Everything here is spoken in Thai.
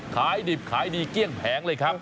ขายดิบขายดีเกลี้ยงแผงเลยครับ